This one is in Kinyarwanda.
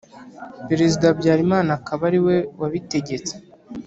perezida habyarimana akaba ari we wabitegetse.